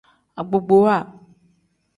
Agbogbowa.